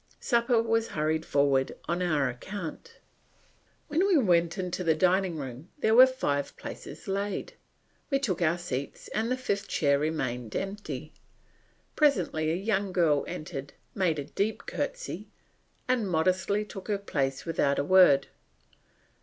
Supper was hurried forward on our account. When we went into the dining room there were five places laid; we took our seats and the fifth chair remained empty. Presently a young girl entered, made a deep courtesy, and modestly took her place without a word.